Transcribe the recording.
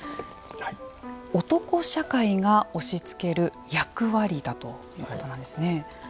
男社会が押しつける役割だということなんですね。